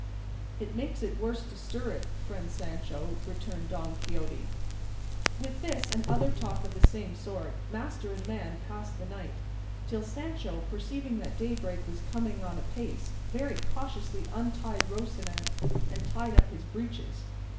"It makes it worse to stir it, friend Sancho," returned Don Quixote. With this and other talk of the same sort master and man passed the night, till Sancho, perceiving that daybreak was coming on apace, very cautiously untied Rocinante and tied up his breeches.